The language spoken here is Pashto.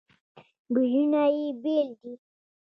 بویونه یې بیل دي.